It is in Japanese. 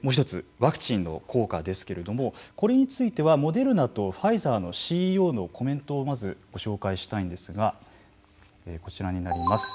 ワクチンの効果ですけれどもこれについてはモデルナとファイザーのＣＥＯのコメントをご紹介したいんですがこちらになります。